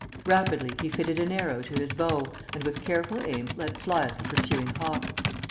Rapidly he fitted an arrow to his bow and with careful aim let fly at the pursuing hawk....